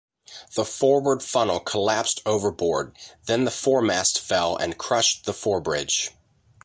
The forward funnel collapsed overboard, then the foremast fell and crushed the fore-bridge.